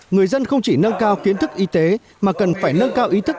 người dân không chỉ nâng cao kiến thức y tế mà cần phải nâng cao ý thức